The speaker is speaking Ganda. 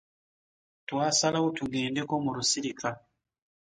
Twasalawo tugendeko mu lusirika.